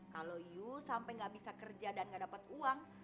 kalau ibu sampai gak bisa kerja dan gak dapat uang